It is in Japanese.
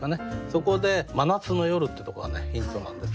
そこで「真夏の夜」ってとこがねヒントなんですけどもね。